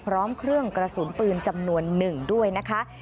พร้อมเครื่องกระสุนปืนจำนวนหนึ่งด้วยนะคะ